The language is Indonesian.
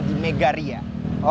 di mana yang paling berkesan